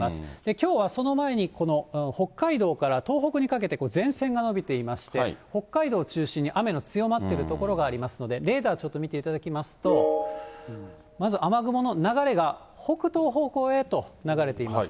きょうはその前に、この北海道から東北にかけて前線が延びていまして、北海道を中心に雨の強まっている所がありますので、レーダーちょっと見ていただきますと、まず雨雲の流れが北東方向へと流れています。